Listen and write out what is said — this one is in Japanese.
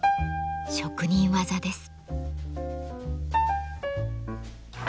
職人技です。